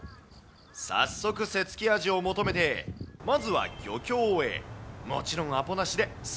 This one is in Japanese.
早速瀬つきあじを求めて、まずは漁協へ。